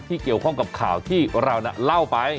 เกี่ยวข้องกับข่าวที่เราเล่าไป